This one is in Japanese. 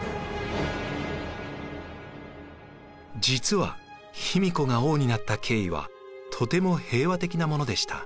実は卑弥呼が王になった経緯はとても平和的なものでした。